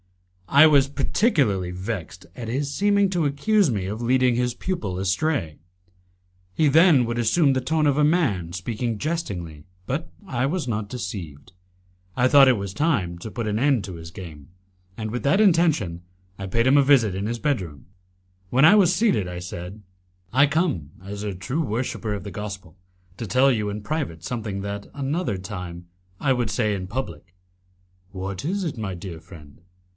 I was particularly vexed at his seeming to accuse me of leading his pupil astray. He then would assume the tone of a man speaking jestingly, but I was not deceived. I thought it was time to put an end to his game, and with that intention I paid him a visit in his bedroom. When I was seated, I said, "I come, as a true worshipper of the Gospel, to tell you in private something that, another time, I would say in public." "What is it, my dear friend?"